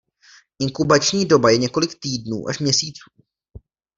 Inkubační doba je několik týdnů až měsíců.